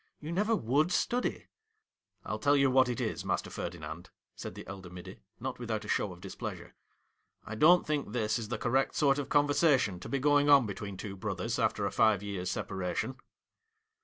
' You never would study.' ' I '11 tell you what it is, master Ferdinand,' said the elderly middy, not without a show of displeasure. ' I don't think this is the correct sort of conversation to be going on between two brothers after a five years' separation.'